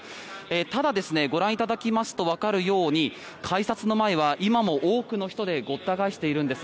ただ、ご覧いただきますとわかるように改札の前は今も多くの人でごった返しているんです。